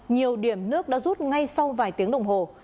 nhiều điểm nước đã rút ngay sau vài tiếng đồng hồ